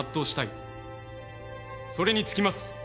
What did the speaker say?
それに尽きます。